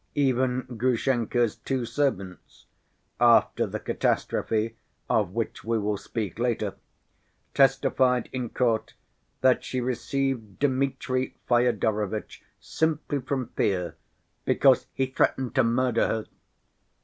Even Grushenka's two servants (after the catastrophe of which we will speak later) testified in court that she received Dmitri Fyodorovitch simply from fear because "he threatened to murder her."